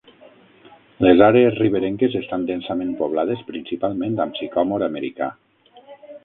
Les àrees riberenques estan densament poblades principalment amb sicòmor americà.